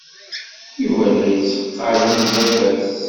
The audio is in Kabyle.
Yuba la yetteqqal am baba-s.